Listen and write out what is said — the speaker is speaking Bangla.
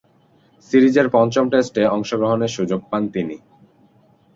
সিরিজের পঞ্চম টেস্টে অংশগ্রহণের সুযোগ পান তিনি।